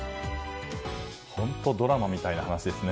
本当、ドラマみたいな話ですね。